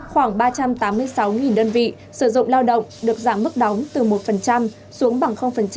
khoảng ba trăm tám mươi sáu đơn vị sử dụng lao động được giảm mức đóng từ một xuống bằng